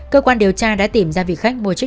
cơ quan điều tra đã tìm ra vị khách vô chức